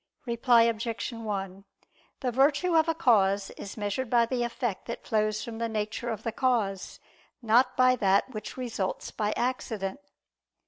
Reply Obj. 1: The virtue of a cause is measured by the effect that flows from the nature of the cause, not by that which results by accident.